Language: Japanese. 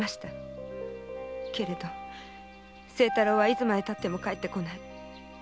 けれど清太郎はいつまでたっても帰ってこない。